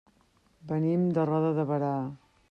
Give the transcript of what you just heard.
Venim de Roda de Berà.